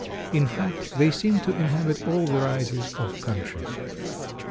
In fact, they seem to inhabit all varieties of country.